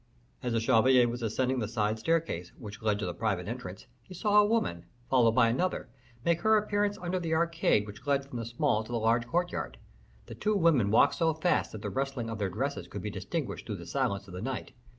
As the chevalier was ascending the side staircase, which led to the private entrance, he saw a woman, followed by another, make her appearance under the arcade which led from the small to the large courtyard. The two women walked so fast that the rustling of their dresses could be distinguished through the silence of the night.